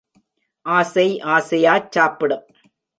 ஆசை ஆசையாச் சாப்பிடும்.